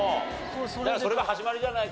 じゃあそれが始まりじゃないかと？